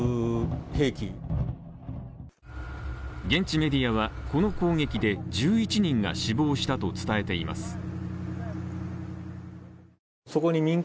現地メディアはこの攻撃で１１人が死亡したと伝えています。